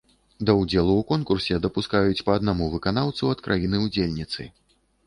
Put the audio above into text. Да ўдзелу ў конкурсе дапускаюць па аднаму выканаўцу ад краіны-ўдзельніцы.